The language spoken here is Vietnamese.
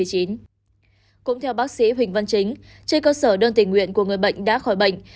cũng theo bác sĩ huỳnh văn chính trên cơ sở đơn tình nguyện của người bệnh đã khỏi bệnh